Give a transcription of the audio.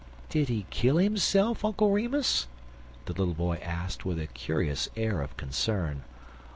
"Did he kill himself, Uncle Remus?" the little boy asked, with a curious air of concern.